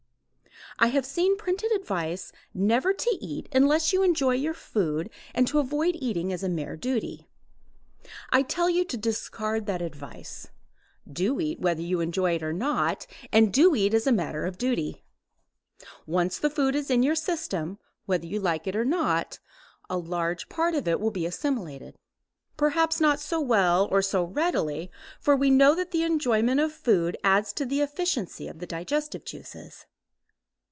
I have seen printed advice never to eat unless you enjoy your food and to avoid eating as a mere duty. I tell you to discard that advice. Do eat whether you enjoy it or not, and do eat as a matter of duty. Once the food is in your system, whether you like it or not, a large part of it will be assimilated. Perhaps not so well nor so readily, for we know that the enjoyment of food adds to the efficiency of the digestive juices.